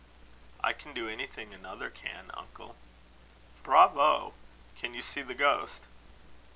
"I can do anything another can, uncle." "Bravo! Can you see the ghost?"